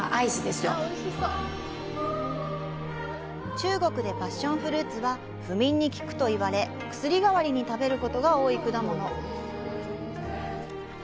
中国でパッションフルーツは不眠に効くと言われ薬代わりに食べることが多い果物。